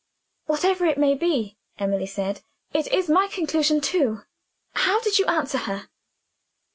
"Whatever it may be," Emily said, "it is my conclusion, too. How did you answer her?"